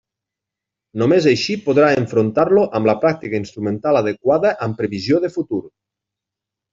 Només així podrà enfrontar-lo amb la pràctica instrumental adequada amb previsió de futur.